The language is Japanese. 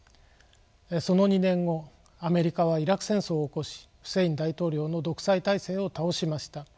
その２年後アメリカはイラク戦争を起こしフセイン大統領の独裁体制を倒しました。